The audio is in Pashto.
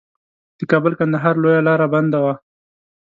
د کابل کندهار لویه لار بنده وه.